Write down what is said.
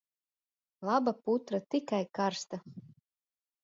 Laba putra, tikai karsta...